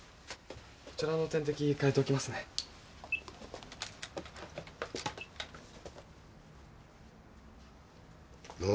こちらの点滴替えておきますねなあ